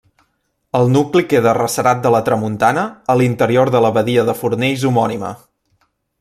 El nucli queda arrecerat de la tramuntana a l'interior de la badia de Fornells homònima.